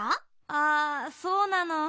あそうなの。